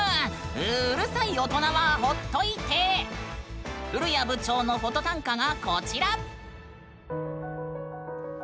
うるさい大人はほっといて古谷部長のフォト短歌がこちら！